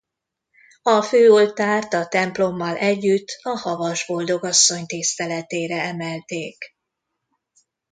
A főoltárt a templommal együtt a Havas Boldogasszony tiszteletére emelték.